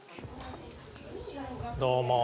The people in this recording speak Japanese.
どうも。